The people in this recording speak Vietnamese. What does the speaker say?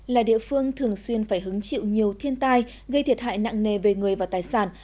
là địa phương thường xuyên phải hứng chịu nhiều thiên tai gây thiệt hại nặng nề về người và tài sản